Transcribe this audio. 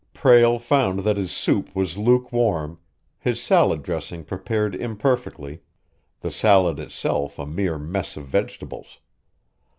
Prale found that his soup was lukewarm, his salad dressing prepared imperfectly, the salad itself a mere mess of vegetables.